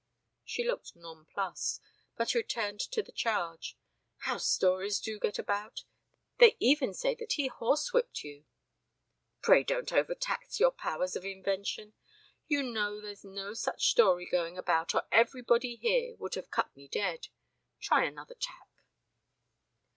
She looked nonplussed, but returned to the charge. "How stories do get about! They even say that he horsewhipped you " "Pray don't overtax your powers of invention. You know there's no such story going about or everybody here would have cut me dead. Try another tack."